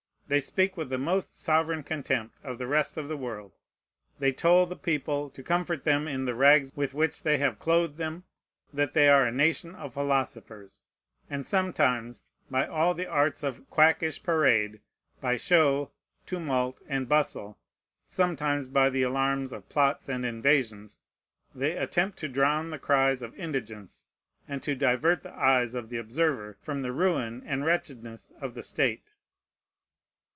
They speak with the most sovereign contempt of the rest of the world. They toll the people, to comfort them in the rags with which they have clothed them, that they are a nation of philosophers; and sometimes, by all the arts of quackish parade, by show, tumult, and bustle, sometimes by the alarms of plots and invasions, they attempt to drown the cries of indigence, and to divert the eyes of the observer from the ruin and wretchedness of the state.